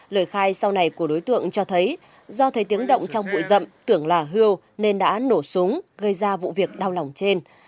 lời khai sau này của đối tượng cho thấy do thấy tiếng động trong bụi rậm tưởng là hưu nên đã nổ súng gây ra vụ việc đau lòng trên